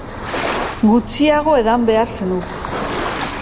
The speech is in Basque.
Gutxiago edan behar zenuke.